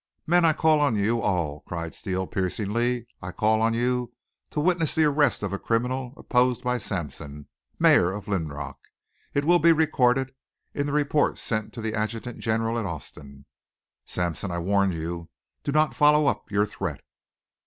"Men! I call on you all!" cried Steele, piercingly. "I call on you to witness the arrest of a criminal opposed by Sampson, mayor of Linrock. It will be recorded in the report sent to the Adjutant General at Austin. Sampson, I warn you don't follow up your threat."